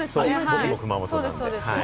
僕も熊本なんで。